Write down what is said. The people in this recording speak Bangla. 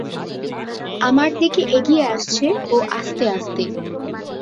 আমার দিকে এগিয়ে আসছে ও আস্তেআস্তে